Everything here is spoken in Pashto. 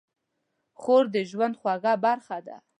خور د ژوند خوږه برخه ده.